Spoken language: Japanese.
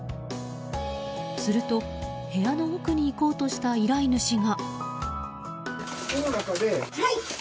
すると、部屋の奥に行こうとした依頼主が。